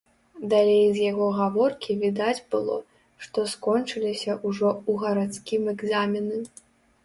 Далей з яго гаворкі відаць было, што скончыліся ўжо ў гарадскім экзамены.